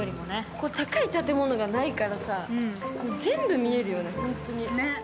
ここ、高い建物がないからさ、全部見えるよね、ホントに。